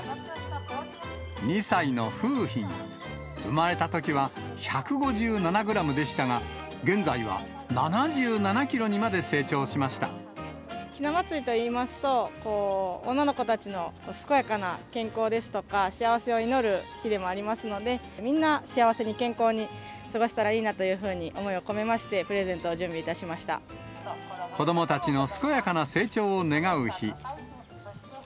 ２歳の楓浜、生まれたときは１５７グラムでしたが、現在はひな祭りといいますと、女の子たちの健やかな健康ですとか、幸せを祈る日でもありますので、みんな幸せに、健康に過ごしたらいいなというふうに思いを込めまして、子どもたちの健やかな成長を願う日。